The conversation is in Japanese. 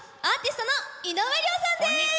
アーティストの井上涼さんです。